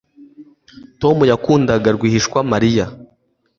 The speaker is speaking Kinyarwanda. Tom yakundaga rwihishwa Mariya